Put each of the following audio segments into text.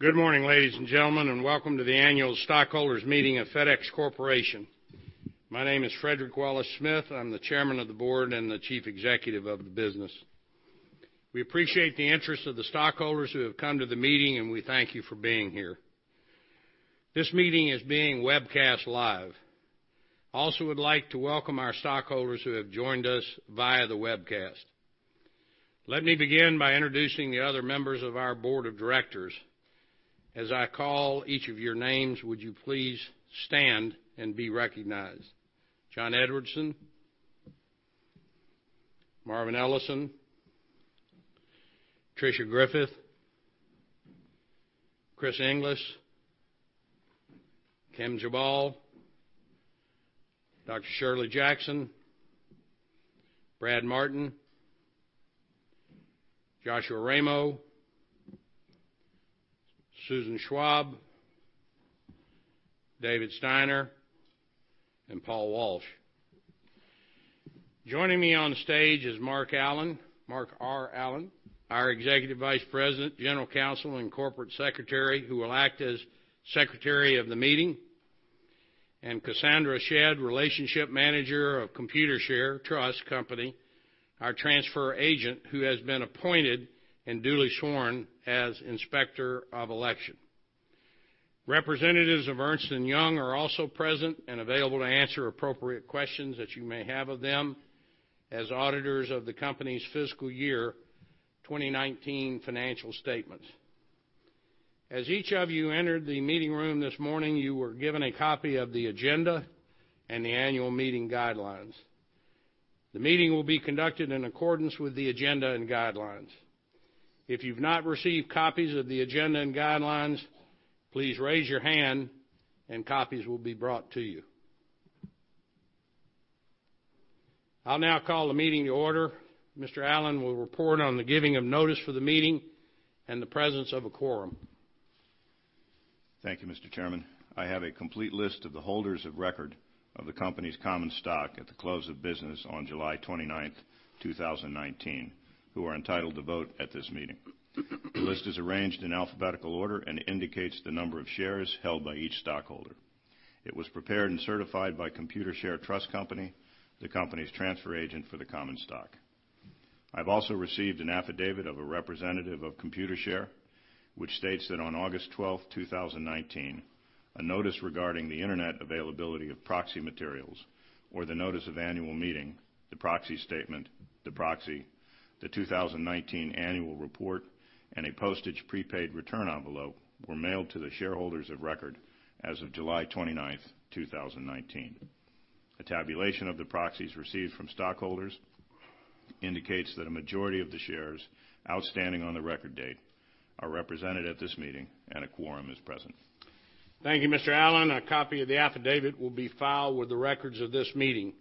Good morning, ladies and gentlemen, welcome to the annual stockholders meeting of FedEx Corporation. My name is Frederick Wallace Smith. I'm the Chairman of the Board and the Chief Executive of the business. We appreciate the interest of the stockholders who have come to the meeting, and we thank you for being here. This meeting is being webcast live. Also would like to welcome our stockholders who have joined us via the webcast. Let me begin by introducing the other members of our board of directors. As I call each of your names, would you please stand and be recognized? John Edwardson. Marvin Ellison. Patricia Griffith. Chris Inglis. Kim Jabal. Dr. Shirley Jackson. Brad Martin. Joshua Ramo. Susan Schwab. David Steiner, and Paul Walsh. Joining me on stage is Mark Allen, Mark R. Allen, our Executive Vice President, General Counsel, and Corporate Secretary, who will act as Secretary of themeeting. Cassandra Shedd, Relationship Manager of Computershare Trust Company, our transfer agent who has been appointed and duly sworn as Inspector of Election. Representatives of Ernst & Young are also present and available to answer appropriate questions that you may have of them as auditors of the company's fiscal year 2019 financial statements. As each of you entered the meeting room this morning, you were given a copy of the agenda and the annual meeting guidelines. The meeting will be conducted in accordance with the agenda and guidelines. If you've not received copies of the agenda and guidelines, please raise your hand and copies will be brought to you. I'll now call the meeting to order. Mr. Allen will report on the giving of notice for the meeting and the presence of a quorum. Thank you, Mr. Chairman. I have a complete list of the holders of record of the company's common stock at the close of business on July 29th, 2019, who are entitled to vote at this meeting. The list is arranged in alphabetical order and indicates the number of shares held by each stockholder. It was prepared and certified by Computershare Trust Company, the company's transfer agent for the common stock. I've also received an affidavit of a representative of Computershare, which states that on August 12th, 2019, a notice regarding the internet availability of proxy materials or the notice of annual meeting, the proxy statement, the proxy, the 2019 annual report, and a postage prepaid return envelope were mailed to the shareholders of record as of July 29th, 2019. A tabulation of the proxies received from stockholders indicates that a majority of the shares outstanding on the record date are represented at this meeting, and a quorum is present. Thank you, Mr. Allen. A copy of the affidavit will be filed with the records of this meeting.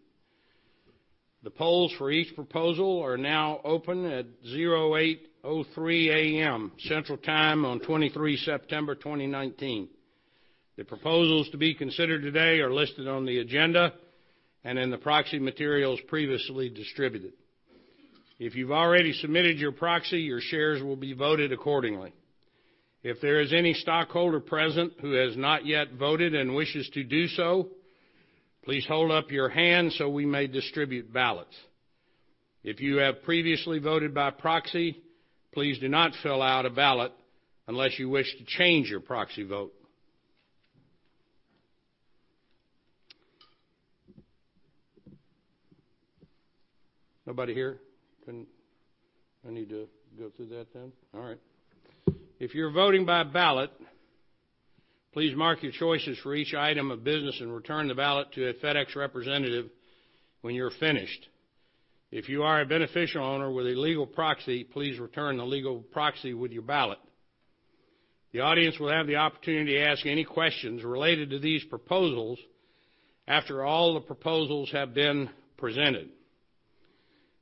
The polls for each proposal are now open at 08:03 a.m. Central Time on 23 September 2019. The proposals to be considered today are listed on the agenda and in the proxy materials previously distributed. If you've already submitted your proxy, your shares will be voted accordingly. If there is any stockholder present who has not yet voted and wishes to do so, please hold up your hand so we may distribute ballots. If you have previously voted by proxy, please do not fill out a ballot unless you wish to change your proxy vote. Nobody here. I need to go through that then? All right. If you're voting by ballot, please mark your choices for each item of business and return the ballot to a FedEx representative when you're finished. If you are a beneficial owner with a legal proxy, please return the legal proxy with your ballot. The audience will have the opportunity to ask any questions related to these proposals after all the proposals have been presented.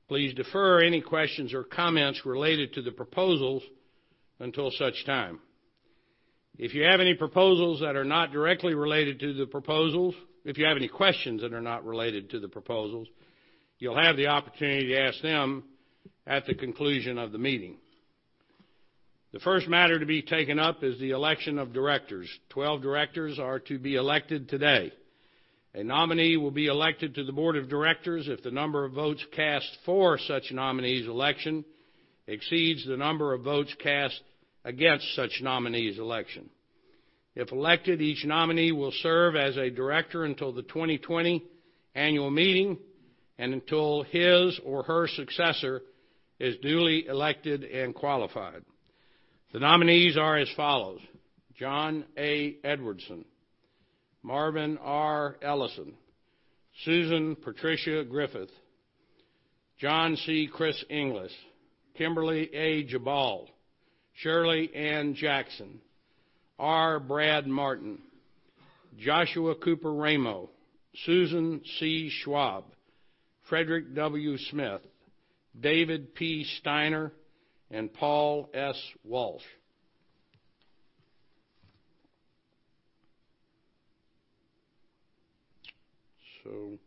Please defer any questions or comments related to the proposals until such time. If you have any proposals that are not directly related to the proposals, if you have any questions that are not related to the proposals, you'll have the opportunity to ask them at the conclusion of the meeting. The first matter to be taken up is the election of directors. 12 directors are to be elected today. A nominee will be elected to the board of directors if the number of votes cast for such nominee's election exceeds the number of votes cast against such nominee's election. If elected, each nominee will serve as a director until the 2020 annual meeting and until his or her successor is duly elected and qualified. The nominees are as follows: John A. Edwardson, Marvin R. Ellison, Susan Patricia Griffith, John C. "Chris" Inglis, Kimberly A. Jabal, Shirley Ann Jackson, R. Brad Martin, Joshua Cooper Ramo, Susan C. Schwab, Frederick W. Smith, David P. Steiner, and Paul S. Walsh. The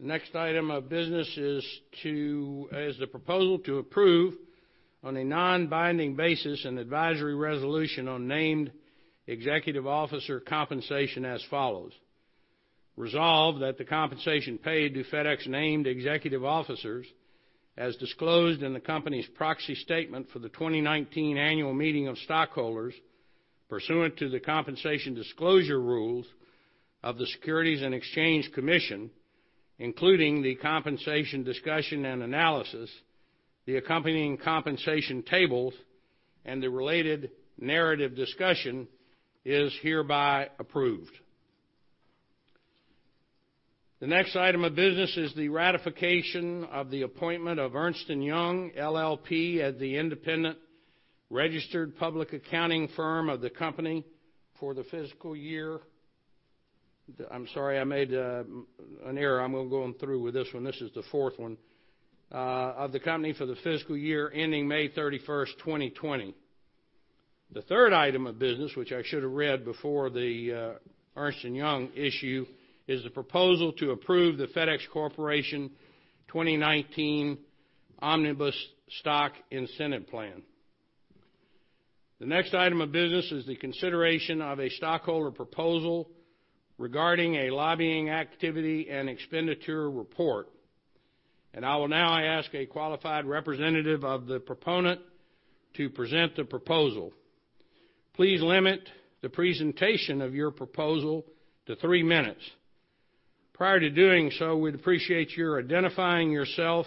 next item of business is the proposal to approve on a non-binding basis an advisory resolution on named executive officer compensation as follows. Resolve that the compensation paid to FedEx named executive officers, as disclosed in the company's proxy statement for the 2019 annual meeting of stockholders pursuant to the compensation disclosure rules of the Securities and Exchange Commission, including the compensation discussion and analysis, the accompanying compensation tables, and the related narrative discussion, is hereby approved. The next item of business is the ratification of the appointment of Ernst & Young LLP as the independent registered public accounting firm of the company for the fiscal year. I'm sorry, I made an error. I'm going to go on through with this one. This is the fourth one of the company for the fiscal year ending May 31st, 2020. The third item of business, which I should have read before the Ernst & Young issue, is the proposal to approve the FedEx Corporation 2019 Omnibus Stock Incentive Plan. The next item of business is the consideration of a stockholder proposal regarding a lobbying activity and expenditure report. I will now ask a qualified representative of the proponent to present the proposal. Please limit the presentation of your proposal to three minutes. Prior to doing so, we'd appreciate your identifying yourself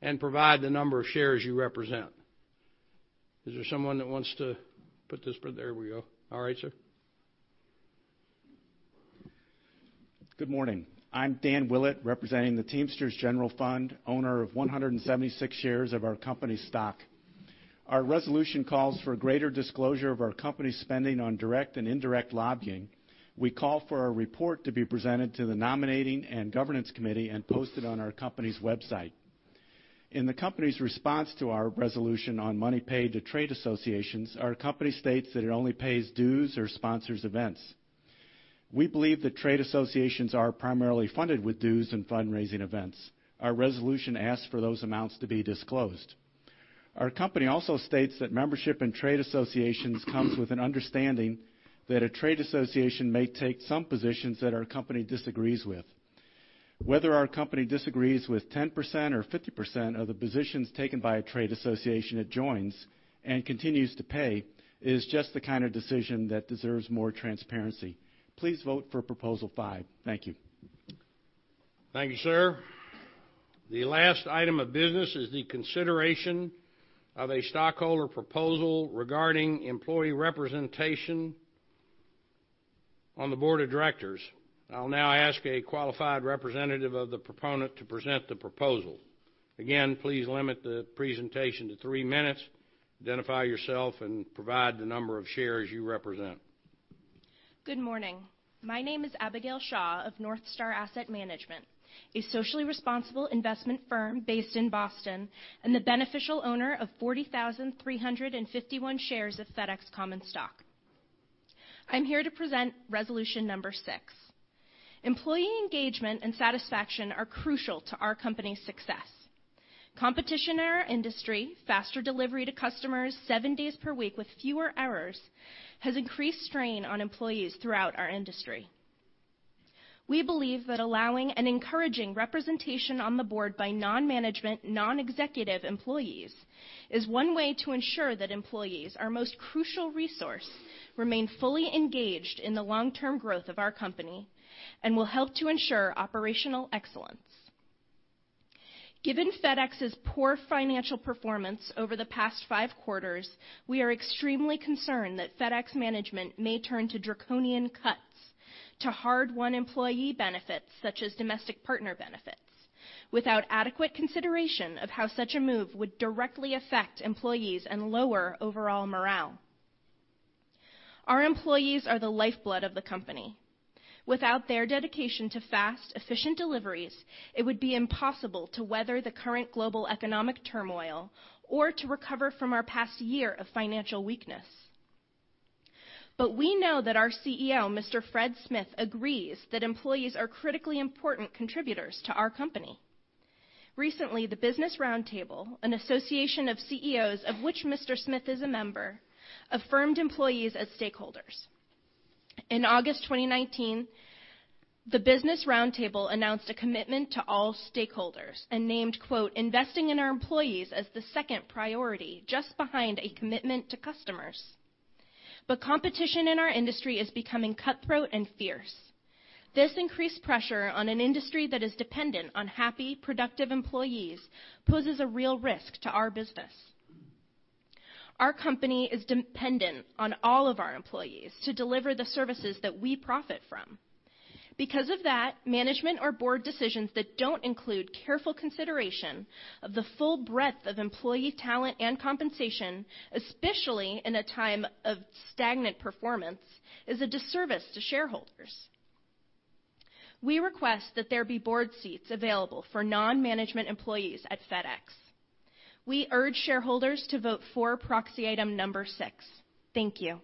and provide the number of shares you represent. Is there someone that wants to put this? There we go. All right, sir. Good morning. I'm Dan Willett, representing the Teamsters General Fund, owner of 176 shares of our company stock. Our resolution calls for greater disclosure of our company spending on direct and indirect lobbying. We call for a report to be presented to the nominating and governance committee and posted on our company's website. In the company's response to our resolution on money paid to trade associations, our company states that it only pays dues or sponsors events. We believe that trade associations are primarily funded with dues and fundraising events. Our resolution asks for those amounts to be disclosed. Our company also states that membership in trade associations comes with an understanding that a trade association may take some positions that our company disagrees with. Whether our company disagrees with 10% or 50% of the positions taken by a trade association it joins and continues to pay is just the kind of decision that deserves more transparency. Please vote for proposal five. Thank you. Thank you, sir. The last item of business is the consideration of a stockholder proposal regarding employee representation on the board of directors. I'll now ask a qualified representative of the proponent to present the proposal. Again, please limit the presentation to three minutes, identify yourself, and provide the number of shares you represent. Good morning. My name is Abigail Shaw of Northstar Asset Management, a socially responsible investment firm based in Boston and the beneficial owner of 40,351 shares of FedEx common stock. I'm here to present resolution number 6. Employee engagement and satisfaction are crucial to our company's success. Competition in our industry, faster delivery to customers 7 days per week with fewer errors has increased strain on employees throughout our industry. We believe that allowing and encouraging representation on the board by non-management, non-executive employees is one way to ensure that employees, our most crucial resource, remain fully engaged in the long-term growth of our company and will help to ensure operational excellence. Given FedEx's poor financial performance over the past five quarters, we are extremely concerned that FedEx management may turn to draconian cuts to hard-won employee benefits such as domestic partner benefits without adequate consideration of how such a move would directly affect employees and lower overall morale. Our employees are the lifeblood of the company. Without their dedication to fast, efficient deliveries, it would be impossible to weather the current global economic turmoil or to recover from our past year of financial weakness. We know that our CEO, Mr. Fred Smith, agrees that employees are critically important contributors to our company. Recently, the Business Roundtable, an association of CEOs of which Mr. Smith is a member, affirmed employees as stakeholders. In August 2019, the Business Roundtable announced a commitment to all stakeholders and named, quote, "investing in our employees as the second priority, just behind a commitment to customers." Competition in our industry is becoming cutthroat and fierce. This increased pressure on an industry that is dependent on happy, productive employees poses a real risk to our business. Our company is dependent on all of our employees to deliver the services that we profit from. Because of that, management or board decisions that don't include careful consideration of the full breadth of employee talent and compensation, especially in a time of stagnant performance, is a disservice to shareholders. We request that there be board seats available for non-management employees at FedEx. We urge shareholders to vote for proxy item number six. Thank you.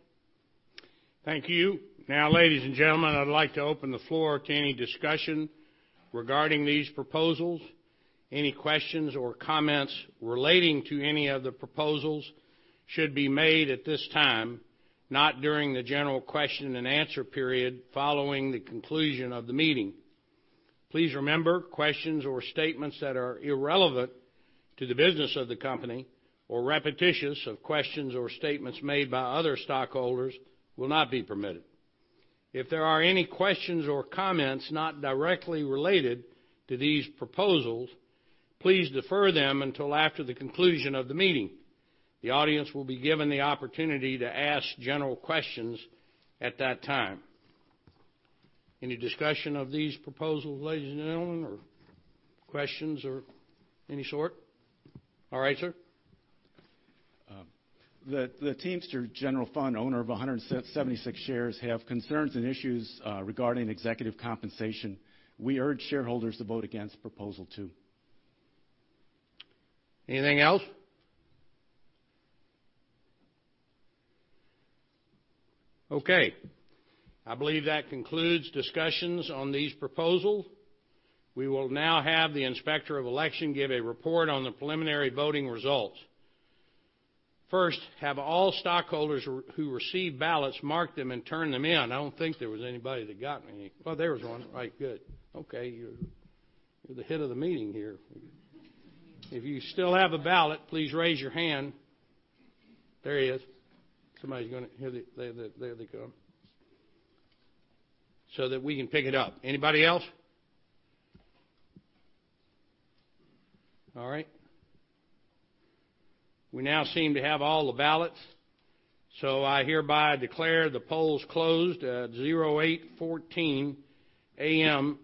Thank you. Ladies and gentlemen, I'd like to open the floor to any discussion regarding these proposals. Any questions or comments relating to any of the proposals should be made at this time, not during the general question and answer period following the conclusion of the meeting. Please remember, questions or statements that are irrelevant to the business of the company or repetitious of questions or statements made by other stockholders will not be permitted. If there are any questions or comments not directly related to these proposals, please defer them until after the conclusion of the meeting. The audience will be given the opportunity to ask general questions at that time. Any discussion of these proposals, ladies and gentlemen, or questions of any sort? All right, sir. The Teamsters General Fund, owner of 176 shares, have concerns and issues regarding executive compensation. We urge shareholders to vote against proposal two. Anything else? Okay. I believe that concludes discussions on these proposals. We will now have the Inspector of Election give a report on the preliminary voting results. First, have all stockholders who received ballots mark them and turn them in. I don't think there was anybody that got any. Oh, there was one. Right. Good. Okay. You're the hit of the meeting here. If you still have a ballot, please raise your hand. There he is. There they come. That we can pick it up. Anybody else? All right. We now seem to have all the ballots. I hereby declare the polls closed at 08:14 A.M.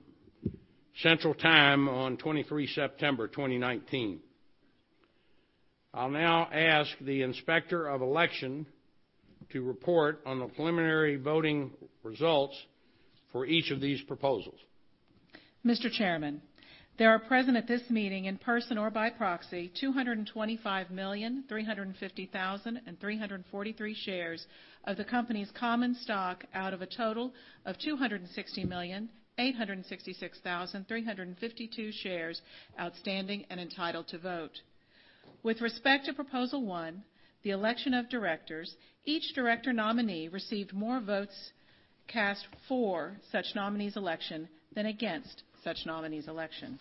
Central Time on 23 September 2019. I'll now ask the Inspector of Election to report on the preliminary voting results for each of these proposals. Mr. Chairman, there are present at this meeting, in person or by proxy, 225,350,343 shares of the company's common stock out of a total of 260,866,352 shares outstanding and entitled to vote. With respect to proposal 1, the election of directors, each director nominee received more votes cast for such nominee's election than against such nominee's election.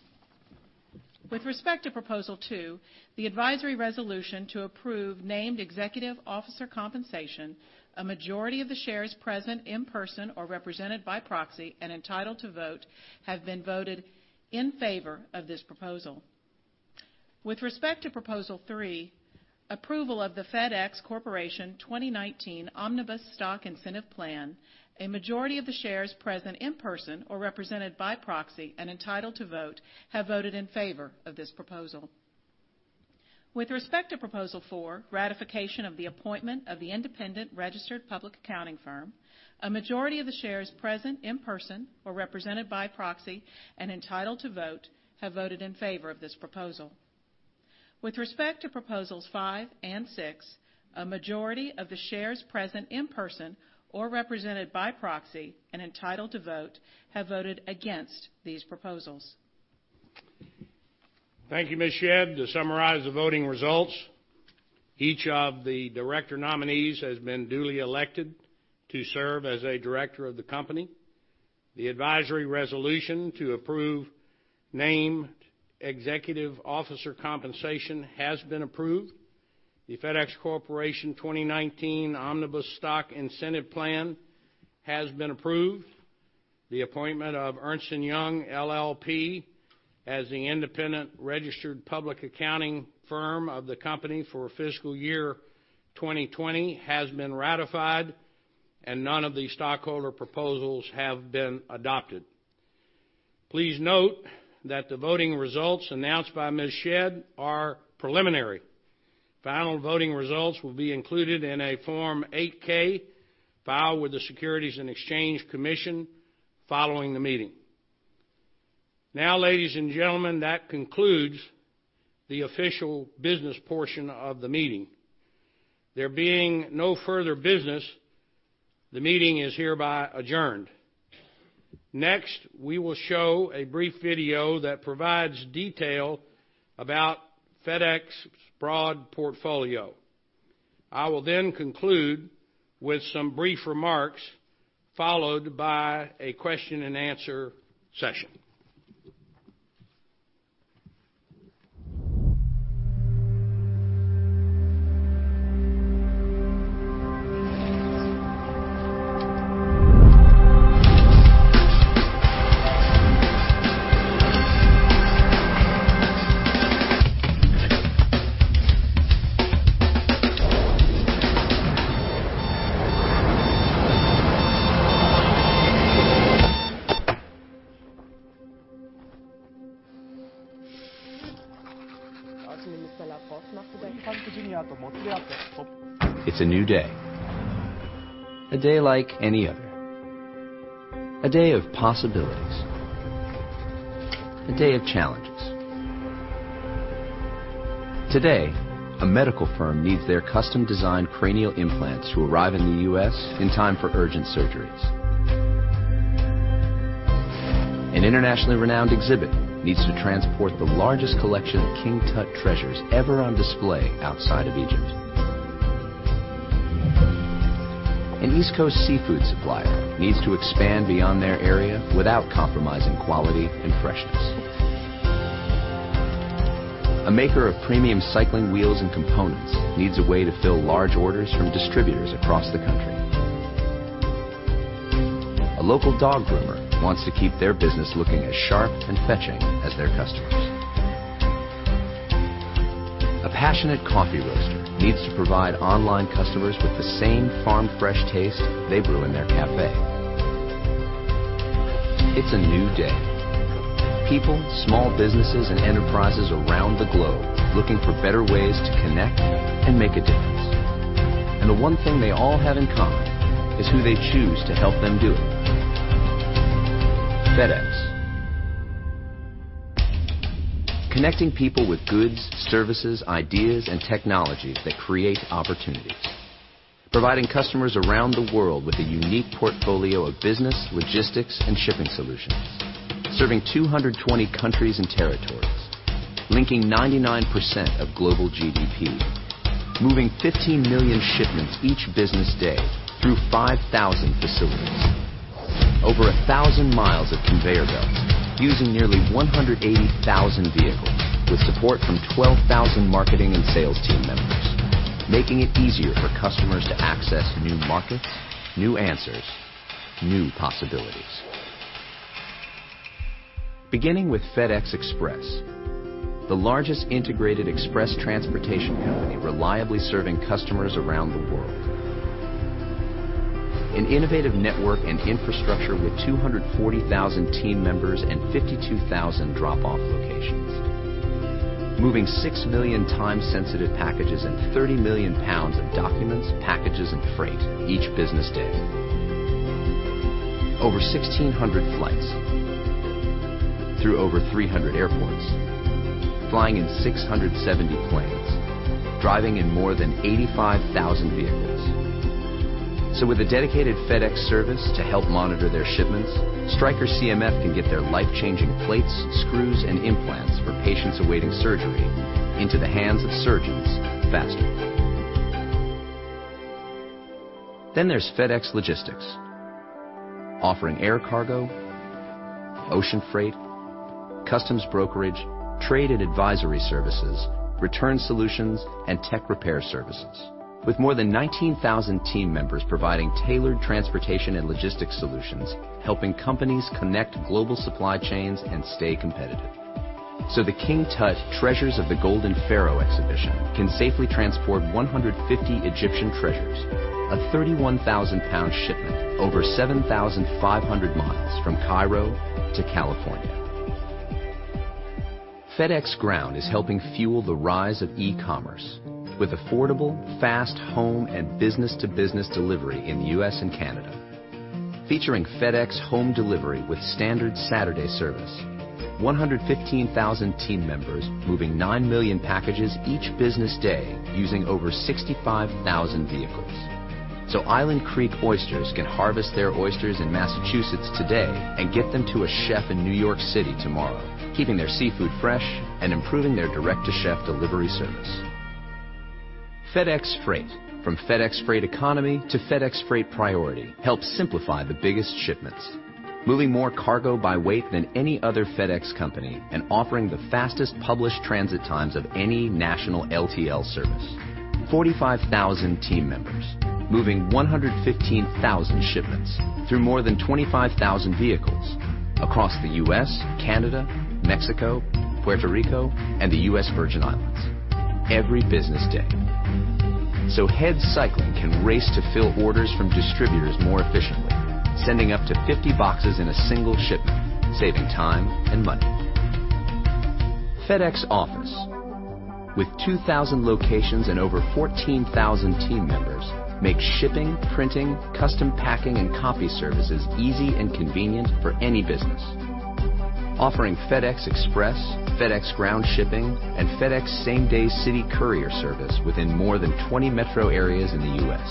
With respect to proposal 2, the advisory resolution to approve named executive officer compensation, a majority of the shares present in person or represented by proxy and entitled to vote have been voted in favor of this proposal. With respect to proposal 3, approval of the FedEx Corporation 2019 Omnibus Stock Incentive Plan, a majority of the shares present in person or represented by proxy and entitled to vote have voted in favor of this proposal. With respect to proposal 4, ratification of the appointment of the independent registered public accounting firm, a majority of the shares present in person or represented by proxy and entitled to vote have voted in favor of this proposal. With respect to proposals 5 and 6, a majority of the shares present in person or represented by proxy and entitled to vote have voted against these proposals. Thank you, Cynthia Shedd. To summarize the voting results, each of the director nominees has been duly elected to serve as a director of the company. The advisory resolution to approve named executive officer compensation has been approved. The FedEx Corporation 2019 Omnibus Stock Incentive Plan has been approved. The appointment of Ernst & Young LLP as the independent registered public accounting firm of the company for fiscal year 2020 has been ratified, and none of the stockholder proposals have been adopted. Please note that the voting results announced by Cynthia Shedd are preliminary. Final voting results will be included in a Form 8-K filed with the Securities and Exchange Commission following the meeting. Now, ladies and gentlemen, that concludes the official business portion of the meeting. There being no further business, the meeting is hereby adjourned. Next, we will show a brief video that provides detail about FedEx's broad portfolio. I will then conclude with some brief remarks, followed by a question and answer session. It's a new day, a day like any other. A day of possibilities. A day of challenges. Today, a medical firm needs their custom-designed cranial implants to arrive in the U.S. in time for urgent surgeries. An internationally renowned exhibit needs to transport the largest collection of King Tut Treasures ever on display outside of Egypt. An East Coast seafood supplier needs to expand beyond their area without compromising quality and freshness. A maker of premium cycling wheels and components needs a way to fill large orders from distributors across the country. A local dog groomer wants to keep their business looking as sharp and fetching as their customers. A passionate coffee roaster needs to provide online customers with the same farm-fresh taste they brew in their cafe. It's a new day. People, small businesses, and enterprises around the globe looking for better ways to connect and make a difference. The one thing they all have in common is who they choose to help them do it, FedEx. Connecting people with goods, services, ideas, and technologies that create opportunities. Providing customers around the world with a unique portfolio of business, logistics, and shipping solutions. Serving 220 countries and territories. Linking 99% of global GDP. Moving 15 million shipments each business day through 5,000 facilities. Over 1,000 miles of conveyor belts. Using nearly 180,000 vehicles with support from 12,000 marketing and sales team members, making it easier for customers to access new markets, new answers, new possibilities. Beginning with FedEx Express, the largest integrated express transportation company reliably serving customers around the world. An innovative network and infrastructure with 240,000 team members and 52,000 drop-off locations. Moving 6 million time-sensitive packages and 30 million pounds of documents, packages, and freight each business day. Over 1,600 flights through over 300 airports, flying in 670 planes, driving in more than 85,000 vehicles. With a dedicated FedEx service to help monitor their shipments, Stryker CMF can get their life-changing plates, screws, and implants for patients awaiting surgery into the hands of surgeons faster. There's FedEx Logistics, offering air cargo, ocean freight, customs brokerage, trade and advisory services, return solutions, and tech repair services. With more than 19,000 team members providing tailored transportation and logistics solutions, helping companies connect global supply chains and stay competitive. The King Tut: Treasures of the Golden Pharaoh exhibition can safely transport 150 Egyptian treasures, a 31,000-pound shipment over 7,500 miles from Cairo to California. FedEx Ground is helping fuel the rise of e-commerce with affordable, fast home and business-to-business delivery in the U.S. and Canada. Featuring FedEx Home Delivery with standard Saturday service. 115,000 team members moving 9 million packages each business day using over 65,000 vehicles. Island Creek Oysters can harvest their oysters in Massachusetts today and get them to a chef in New York City tomorrow, keeping their seafood fresh and improving their direct-to-chef delivery service. FedEx Freight, from FedEx Freight Economy to FedEx Freight Priority, helps simplify the biggest shipments. Moving more cargo by weight than any other FedEx company and offering the fastest published transit times of any national LTL service. 45,000 team members moving 115,000 shipments through more than 25,000 vehicles across the U.S., Canada, Mexico, Puerto Rico, and the U.S. Virgin Islands every business day. HED Cycling can race to fill orders from distributors more efficiently, sending up to 50 boxes in a single shipment, saving time and money. FedEx Office, with 2,000 locations and over 14,000 team members, makes shipping, printing, custom packing, and copy services easy and convenient for any business. Offering FedEx Express, FedEx Ground shipping, and FedEx SameDay City courier service within more than 20 metro areas in the U.S.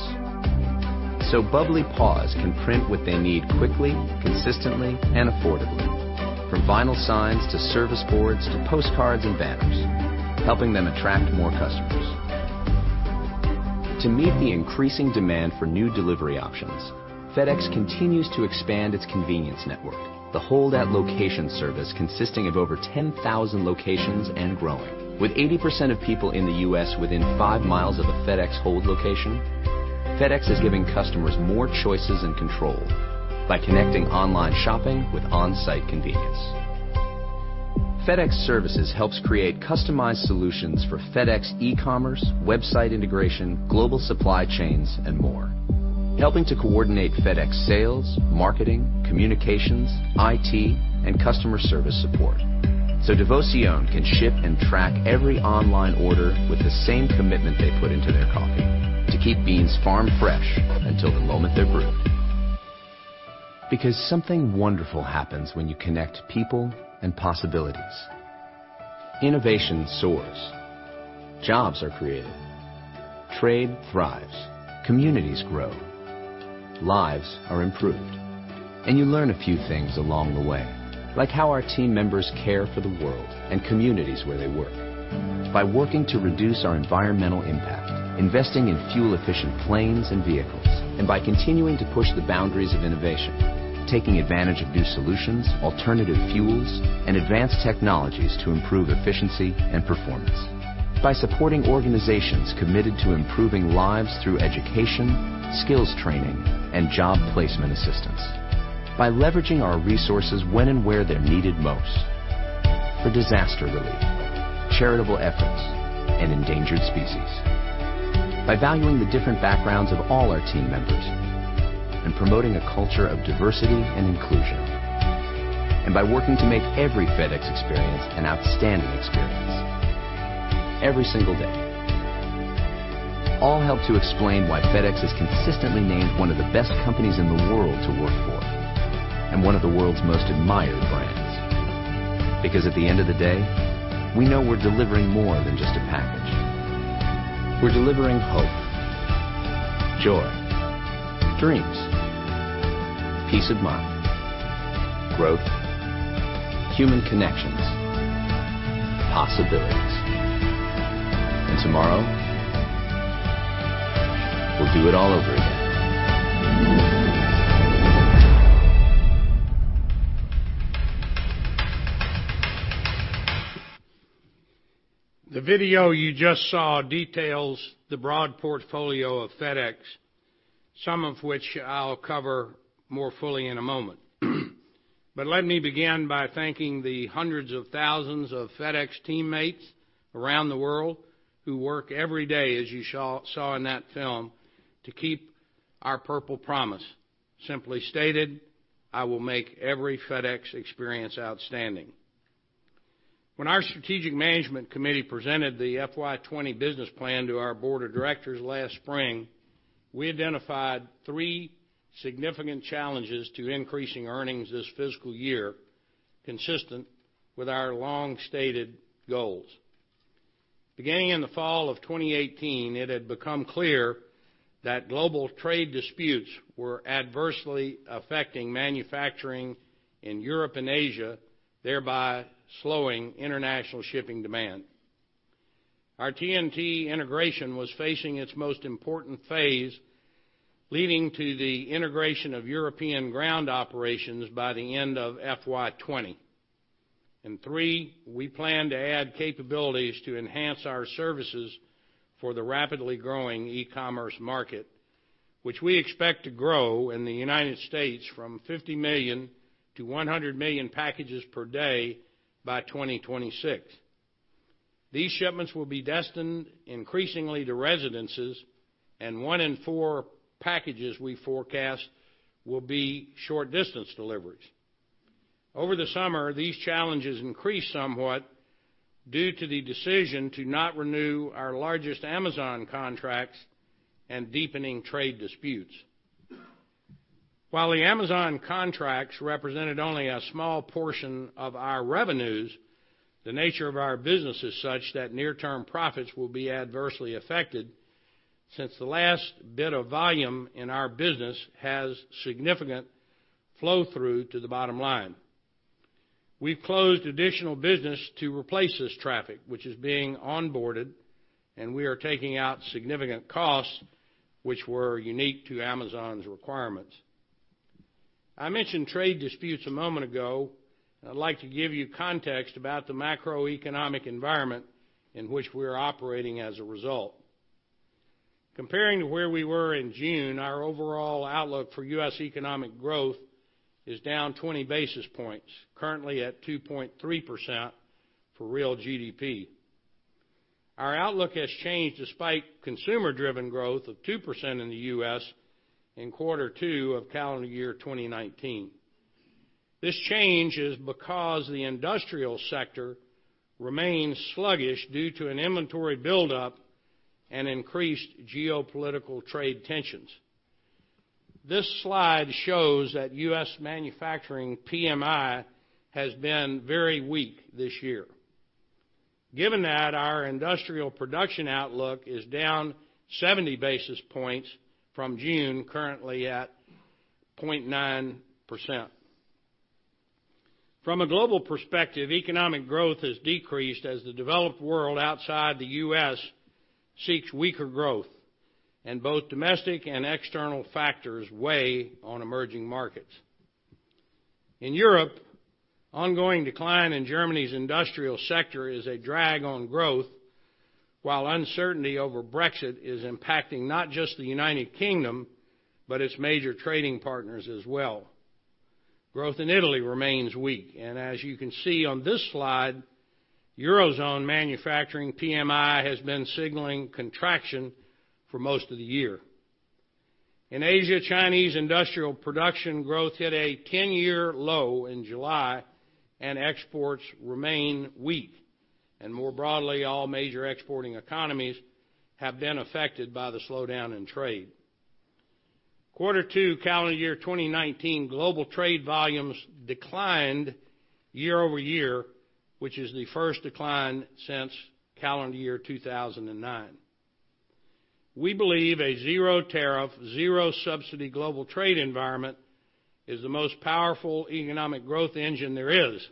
Bubbly Paws can print what they need quickly, consistently, and affordably, from vinyl signs to service boards to postcards and banners, helping them attract more customers. To meet the increasing demand for new delivery options, FedEx continues to expand its convenience network, the Hold at Location service consisting of over 10,000 locations and growing. With 80% of people in the U.S. within five miles of a FedEx Hold location, FedEx is giving customers more choices and control by connecting online shopping with on-site convenience. FedEx Services helps create customized solutions for FedEx e-commerce, website integration, global supply chains, and more. Helping to coordinate FedEx sales, marketing, communications, IT, and customer service support. Devoción can ship and track every online order with the same commitment they put into their coffee to keep beans farm fresh until the moment they're brewed. Something wonderful happens when you connect people and possibilities. Innovation soars. Jobs are created. Trade thrives. Communities grow. Lives are improved. You learn a few things along the way, like how our team members care for the world and communities where they work. By working to reduce our environmental impact, investing in fuel-efficient planes and vehicles, and by continuing to push the boundaries of innovation, taking advantage of new solutions, alternative fuels, and advanced technologies to improve efficiency and performance. By supporting organizations committed to improving lives through education, skills training, and job placement assistance. By leveraging our resources when and where they're needed most for disaster relief, charitable efforts, and endangered species. By valuing the different backgrounds of all our team members and promoting a culture of diversity and inclusion. By working to make every FedEx experience an outstanding experience every single day. All help to explain why FedEx is consistently named one of the best companies in the world to work for and one of the world's most admired brands. Because at the end of the day, we know we're delivering more than just a package. We're delivering hope, joy, dreams, peace of mind, growth, human connections, possibilities. Tomorrow, we'll do it all over again. The video you just saw details the broad portfolio of FedEx, some of which I'll cover more fully in a moment. Let me begin by thanking the hundreds of thousands of FedEx teammates around the world who work every day, as you saw in that film, to keep our Purple Promise. Simply stated, "I will make every FedEx experience outstanding." When our Strategic Management Committee presented the FY 2020 business plan to our board of directors last spring, we identified three significant challenges to increasing earnings this fiscal year, consistent with our long-stated goals. Beginning in the fall of 2018, it had become clear that global trade disputes were adversely affecting manufacturing in Europe and Asia, thereby slowing international shipping demand. Our TNT integration was facing its most important phase, leading to the integration of European ground operations by the end of FY 2020. Three, we plan to add capabilities to enhance our services for the rapidly growing e-commerce market, which we expect to grow in the U.S. from 50 million to 100 million packages per day by 2026. These shipments will be destined increasingly to residences, 1 in 4 packages we forecast will be short-distance deliveries. Over the summer, these challenges increased somewhat due to the decision to not renew our largest Amazon contracts and deepening trade disputes. While the Amazon contracts represented only a small portion of our revenues, the nature of our business is such that near-term profits will be adversely affected since the last bit of volume in our business has significant flow-through to the bottom line. We've closed additional business to replace this traffic, which is being onboarded, and we are taking out significant costs, which were unique to Amazon's requirements. I mentioned trade disputes a moment ago. I'd like to give you context about the macroeconomic environment in which we're operating as a result. Comparing to where we were in June, our overall outlook for U.S. economic growth is down 20 basis points, currently at 2.3% for real GDP. Our outlook has changed despite consumer-driven growth of 2% in the U.S. in quarter two of calendar year 2019. This change is because the industrial sector remains sluggish due to an inventory buildup and increased geopolitical trade tensions. This slide shows that U.S. manufacturing PMI has been very weak this year. Given that our industrial production outlook is down 70 basis points from June, currently at 0.9%. From a global perspective, economic growth has decreased as the developed world outside the U.S. seeks weaker growth, and both domestic and external factors weigh on emerging markets. In Europe, ongoing decline in Germany's industrial sector is a drag on growth, while uncertainty over Brexit is impacting not just the United Kingdom, but its major trading partners as well. Growth in Italy remains weak. As you can see on this slide, Eurozone manufacturing PMI has been signaling contraction for most of the year. In Asia, Chinese industrial production growth hit a 10-year low in July. Exports remain weak. More broadly, all major exporting economies have been affected by the slowdown in trade. Quarter two calendar year 2019, global trade volumes declined year-over-year, which is the first decline since calendar year 2009. We believe a zero-tariff, zero-subsidy global trade environment is the most powerful economic growth engine there is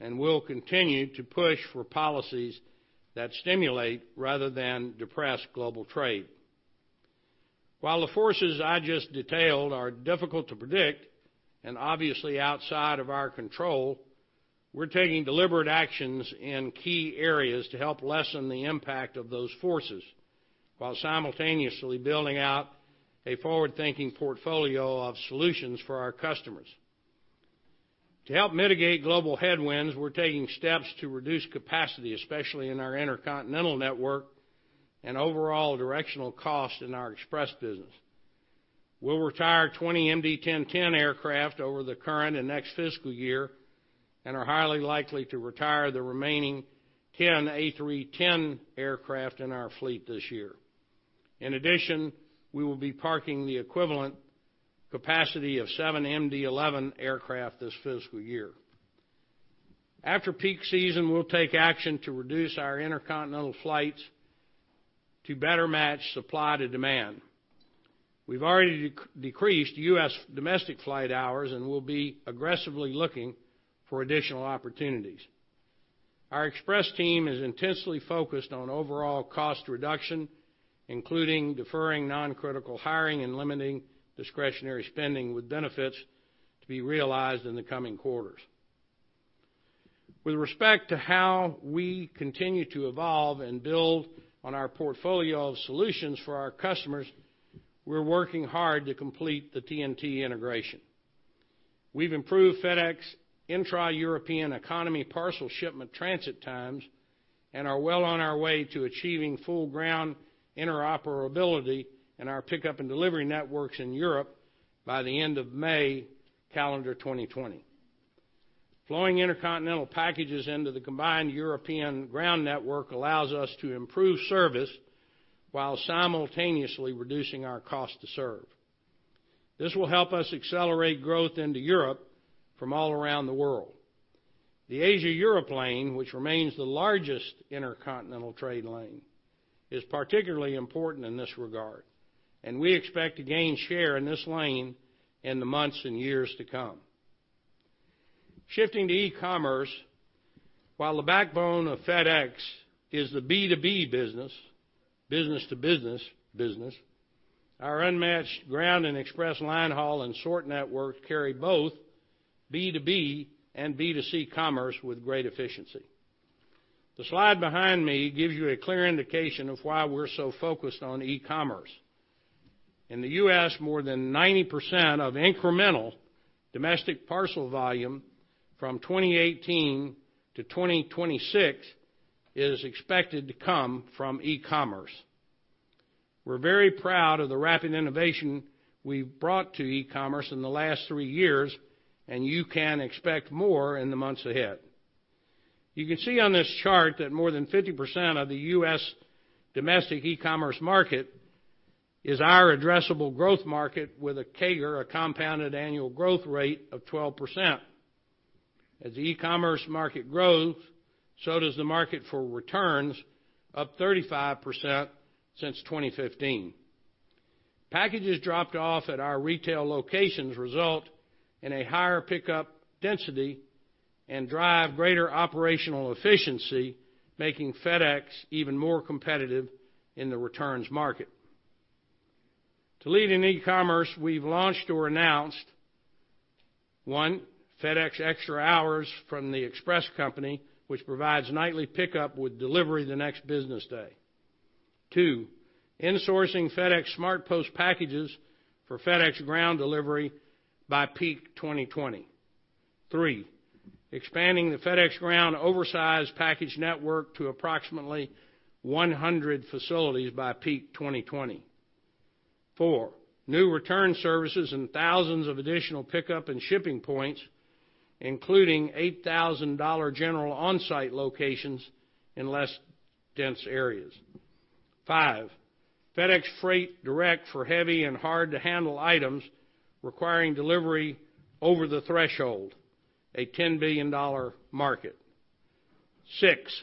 and will continue to push for policies that stimulate rather than depress global trade. While the forces I just detailed are difficult to predict and obviously outside of our control, we're taking deliberate actions in key areas to help lessen the impact of those forces while simultaneously building out a forward-thinking portfolio of solutions for our customers. To help mitigate global headwinds, we're taking steps to reduce capacity, especially in our intercontinental network, and overall directional cost in our Express business. We'll retire 20 MD-1010 aircraft over the current and next fiscal year and are highly likely to retire the remaining 10 A310 aircraft in our fleet this year. In addition, we will be parking the equivalent capacity of seven MD-11 aircraft this fiscal year. After peak season, we'll take action to reduce our intercontinental flights to better match supply to demand. We've already decreased U.S. domestic flight hours and will be aggressively looking for additional opportunities. Our Express team is intensely focused on overall cost reduction, including deferring non-critical hiring and limiting discretionary spending with benefits to be realized in the coming quarters. With respect to how we continue to evolve and build on our portfolio of solutions for our customers, we're working hard to complete the TNT integration. We've improved FedEx intra-European economy parcel shipment transit times and are well on our way to achieving full ground interoperability in our pickup and delivery networks in Europe by the end of May calendar 2020. Flowing intercontinental packages into the combined European ground network allows us to improve service while simultaneously reducing our cost to serve. This will help us accelerate growth into Europe from all around the world. The Asia-Europe lane, which remains the largest intercontinental trade lane, is particularly important in this regard. We expect to gain share in this lane in the months and years to come. Shifting to e-commerce, while the backbone of FedEx is the B2B business-to-business business, our unmatched FedEx Ground and FedEx Express line haul and sort network carry both B2B and B2C commerce with great efficiency. The slide behind me gives you a clear indication of why we're so focused on e-commerce. In the U.S., more than 90% of incremental domestic parcel volume from 2018 to 2026 is expected to come from e-commerce. We're very proud of the rapid innovation we've brought to e-commerce in the last three years. You can expect more in the months ahead. You can see on this chart that more than 50% of the U.S. domestic e-commerce market is our addressable growth market with a CAGR, a compounded annual growth rate, of 12%. As the e-commerce market grows, so does the market for returns, up 35% since 2015. Packages dropped off at our retail locations result in a higher pickup density and drive greater operational efficiency, making FedEx even more competitive in the returns market. To lead in e-commerce, we've launched or announced, one, FedEx Extra Hours from the Express company, which provides nightly pickup with delivery the next business day. Two, insourcing FedEx SmartPost packages for FedEx Ground delivery by peak 2020. Three, expanding the FedEx Ground oversized package network to approximately 100 facilities by peak 2020. Four, new return services and thousands of additional pickup and shipping points, including 8,000 Dollar General on-site locations in less dense areas. 5, FedEx Freight Direct for heavy and hard-to-handle items requiring delivery over the threshold, a $10 billion market. 6,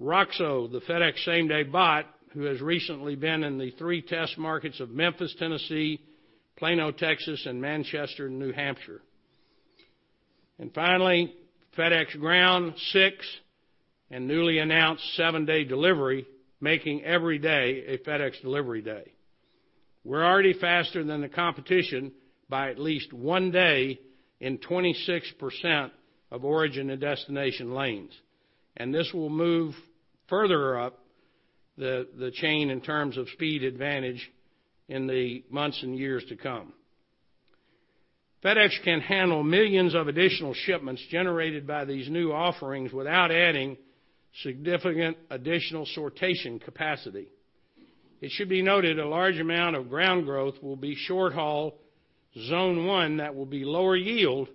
Roxo, the FedEx same-day bot, who has recently been in the three test markets of Memphis, Tennessee, Plano, Texas, and Manchester, New Hampshire. Finally, FedEx Ground 6 and newly announced 7-day delivery, making every day a FedEx delivery day. We're already faster than the competition by at least one day in 26% of origin and destination lanes, and this will move further up the chain in terms of speed advantage in the months and years to come. FedEx can handle millions of additional shipments generated by these new offerings without adding significant additional sortation capacity. It should be noted a large amount of Ground growth will be short haul zone 1 that will be lower yield,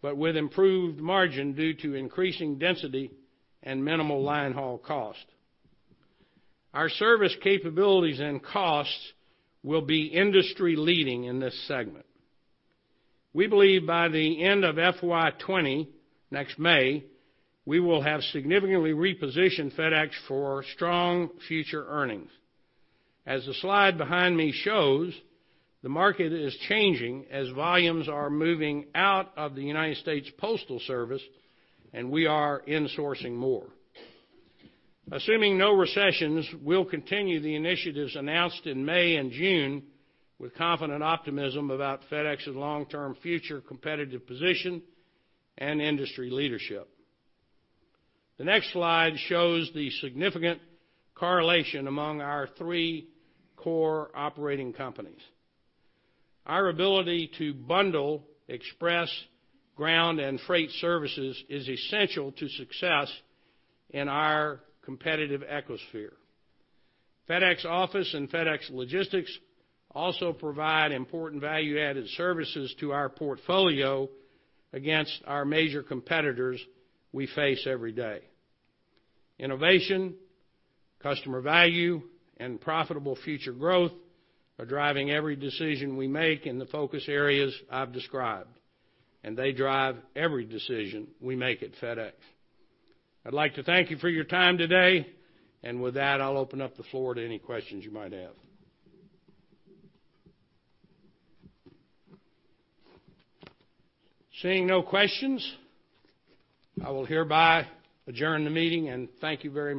but with improved margin due to increasing density and minimal line haul cost. Our service capabilities and costs will be industry leading in this segment. We believe by the end of FY 2020, next May, we will have significantly repositioned FedEx for strong future earnings. As the slide behind me shows, the market is changing as volumes are moving out of the United States Postal Service, and we are insourcing more. Assuming no recessions, we'll continue the initiatives announced in May and June with confident optimism about FedEx's long-term future competitive position and industry leadership. The next slide shows the significant correlation among our three core operating companies. Our ability to bundle Express Ground and Freight services is essential to success in our competitive ecosphere. FedEx Office and FedEx Logistics also provide important value-added services to our portfolio against our major competitors we face every day. Innovation, customer value, and profitable future growth are driving every decision we make in the focus areas I've described, and they drive every decision we make at FedEx. I'd like to thank you for your time today. With that, I'll open up the floor to any questions you might have. Seeing no questions, I will hereby adjourn the meeting, and thank you very much.